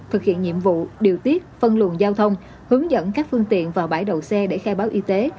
thực hiện nhiệm vụ điều tiết phân luận giao thông hướng dẫn các phương tiện vào bãi đậu xe để khai báo y tế